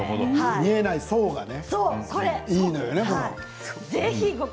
見えない層がね。